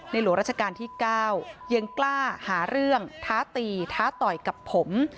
หลวงราชการที่๙ยังกล้าหาเรื่องท้าตีท้าต่อยกับผม